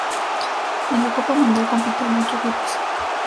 En la Copa Mundial compiten ocho equipos.